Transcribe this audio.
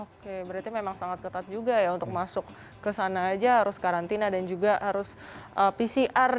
oke berarti memang sangat ketat juga ya untuk masuk ke sana aja harus karantina dan juga harus pcr